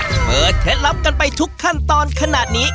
เปิดเคล็ดลับกันไปทุกขั้นตอนขนาดนี้